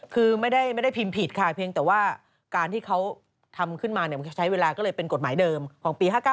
คือไม่ได้พิมพ์ผิดค่ะเพียงแต่ว่าการที่เขาทำขึ้นมาใช้เวลาก็เลยเป็นกฎหมายเดิมของปี๕๙